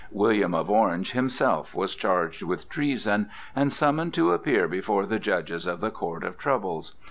William of Orange himself was charged with treason and summoned to appear before the judges of the Court of Troubles.